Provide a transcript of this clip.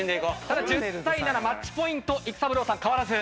ただ１０対７マッチポイント育三郎さん変わらず。